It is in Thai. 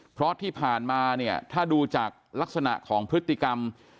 เพราะที่ผ่านมาเนี่ยถ้าดูจากลักษณะของพฤติกรรม